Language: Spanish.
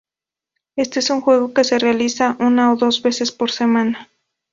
Este es un juego que se realiza una o dos veces por semana.